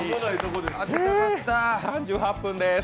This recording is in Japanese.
３８分です。